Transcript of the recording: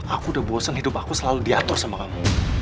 aku udah bosen hidup aku selalu diatur sama kamu